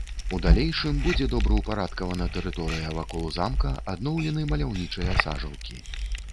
У далейшым будзе добраўпарадкавана тэрыторыя вакол замка, адноўлены маляўнічыя сажалкі.